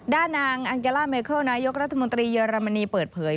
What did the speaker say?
ด้านนางอังกาล่าเมเคิลนายกรัฐมนตรีเยอรมนีเปิดเผย